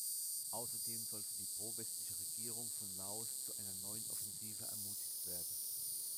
Außerdem sollte die prowestliche Regierung von Laos zu einer neuen Offensive ermutigt werden.